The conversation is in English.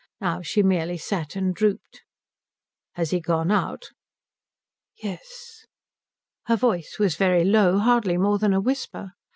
Now she merely sat and drooped. "Has he gone out?" "Yes." Her voice was very low, hardly more than a whisper.